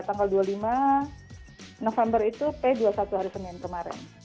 tanggal dua puluh lima november itu p dua puluh satu hari senin kemarin